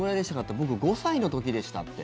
って僕、５歳の時でしたって。